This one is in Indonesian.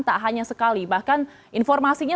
tak hanya sekali bahkan informasinya